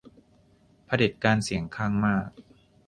เผด็จการเสียงข้างมาก